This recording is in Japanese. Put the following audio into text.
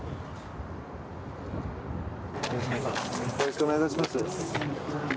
よろしくお願いします。